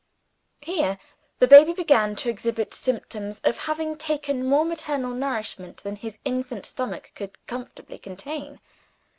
Here the baby began to exhibit symptoms of having taken more maternal nourishment than his infant stomach could comfortably contain.